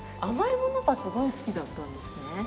甘いものがすごい好きだったんですね。